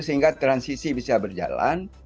sehingga transisi bisa berjalan